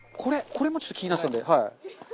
これもちょっと気になってたのではい。